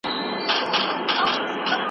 هر انسان د خپل مسلک غوره کولو حق لري.